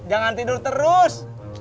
jangan tidur terus